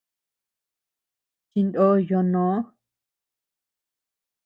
Chinó yoo noo.